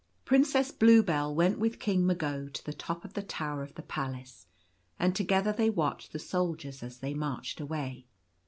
Princess Bluebell went with King Mago to the top ot the tower of the palace, and together they watched the soldiers as they marched away.